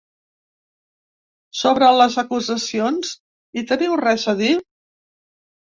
Sobre les acusacions, hi teniu res a dir?